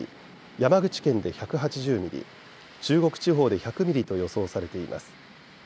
山口県で１８０ミリ中国地方で１００ミリと予想されています。